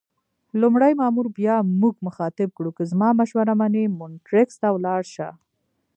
لومړي مامور بیا موږ مخاطب کړو: که زما مشوره منې مونټریکس ته ولاړ شه.